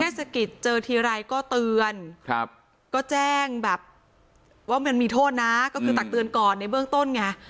สกิจเจอทีไรก็เตือนครับก็แจ้งแบบว่ามันมีโทษนะก็คือตักเตือนก่อนในเบื้องต้นไง